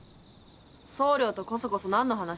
総領とこそこそ何の話？